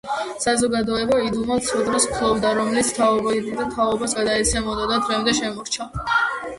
საზოგადოება იდუმალ ცოდნას ფლობდა, რომელიც თაობიდან თაობას გადაეცემოდა და დღემდე შემორჩა.